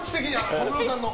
小室さんの。